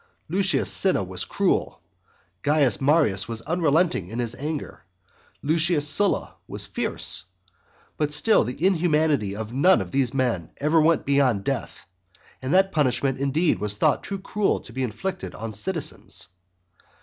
Lucius Cinna was cruel; Caius Marius was unrelenting in his anger; Lucius Sylla was fierce; but still the inhumanity of none of these men ever went beyond death; and that punishment indeed was thought too cruel to be inflicted on citizens.